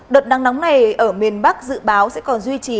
đợt nắng nóng này ở miền bắc dự báo sẽ còn duy trì